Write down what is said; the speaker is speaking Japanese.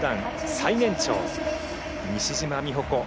最年長西島美保子